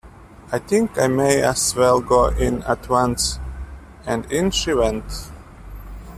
‘I think I may as well go in at once.’ And in she went.